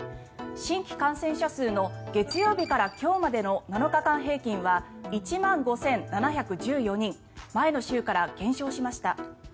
新規感染者数の月曜日から今日までの７日間平均は１万５７１４人前の週から減少しました。